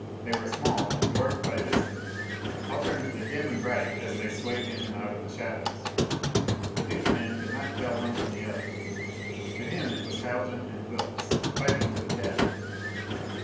They were small, dwarfed by distance, alternately dim and bright as they swayed in and out of the shadows. The duty man could not tell one from the other. To him it was Haljan and Wilks, fighting to the death!